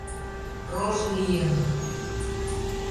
Рож лийын.